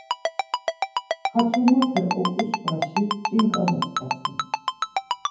Ha tomape oǩusvaşi ç̌inǩa moxtasen.